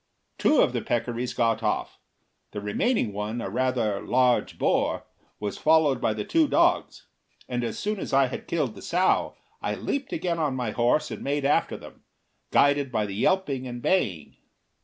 Two of the peccaries got off; the remaining one, a rather large boar, was followed by the two dogs, and as soon as I had killed the sow I leaped again on my horse and made after them, guided by the yelping and baying.